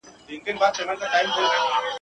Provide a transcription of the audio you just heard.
او ارواښاد سلیمان لایق یې !.